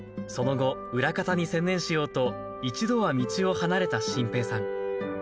その後裏方に専念しようと一度は道を離れた心平さん。